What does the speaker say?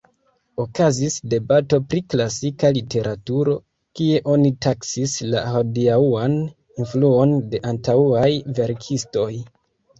Okazis debato pri klasika literaturo, kie oni taksis la hodiaŭan influon de antaŭaj verkistoj.